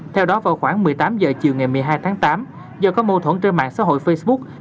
theo đó vào khoảng một mươi tám h chiều ngày một mươi hai tháng tám do có mâu thuẫn trên mạng xã hội facebook